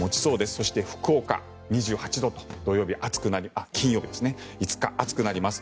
そして福岡、２８度と金曜日、暑くなります。